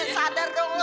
sadar dong lu